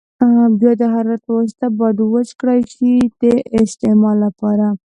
بیا د حرارت په واسطه باید وچ کړای شي د استعمال لپاره.